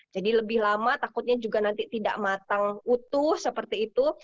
jadi lebih lama takutnya juga nanti tidak matang utuh seperti itu